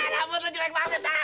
rambut lu jelek banget ah